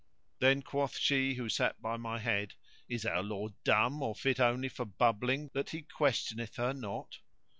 Then quoth she who sat by my head, "Is our lord dumb or fit only for bubbling that he questioneth her not!"